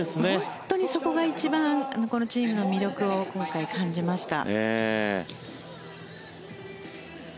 本当にそこがこのチームの魅力を今回、感じました。